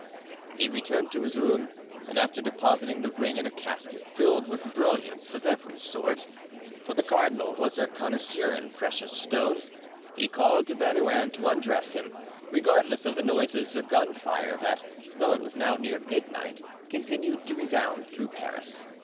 He returned to his room, and after depositing the ring in a casket filled with brilliants of every sort, for the cardinal was a connoisseur in precious stones, he called to Bernouin to undress him, regardless of the noises of gun fire that, though it was now near midnight, continued to resound through Paris.